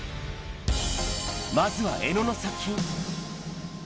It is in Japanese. まずは江野の作品。